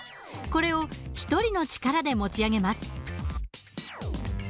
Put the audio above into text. これを１人の力で持ち上げます。